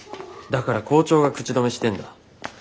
だから校長が口止めしてんだ。